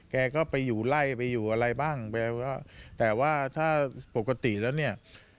แกก็ไปอยู่ไล่ไปอยู่อะไรบ้างไปว่าแต่ว่าถ้าปกติแล้วเนี่ย